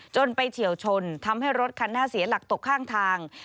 ไปเฉียวชนทำให้รถคันหน้าเสียหลักตกข้างทาง